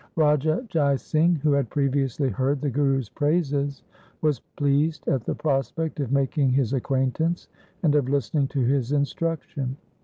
Raja Jai Singh who had previously heard the Guru's praises was pleased at the prospect of making his acquaintance, and of listening to his instruction.